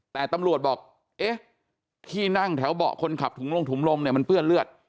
แต่ตำรวจบอกเอ๊ะที่นั่งแถวเบาะคนขับถุงลงถุงลมเนี่ยมันเปื้อนเลือด